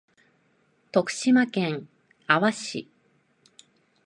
徳島県阿波市